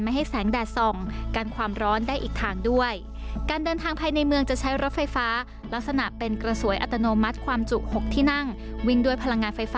ไม่ให้แสงแดดส่อง